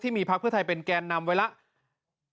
มีพักเพื่อไทยเป็นแกนนำไว้แล้ว